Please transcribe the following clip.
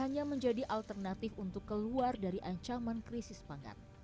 hanya menjadi alternatif untuk keluar dari ancaman krisis pangan